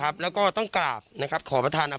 ปู่มหาหมุนีบอกว่าตัวเองอสูญที่นี้ไม่เป็นไรหรอก